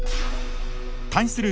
対する